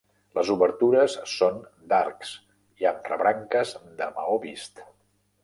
Les obertures són d'arcs i amb rebranques de maó vist.